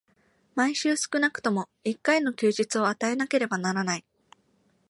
毎週少くとも一回の休日を与えなければならない。